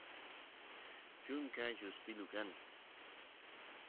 chunka lluspilu kan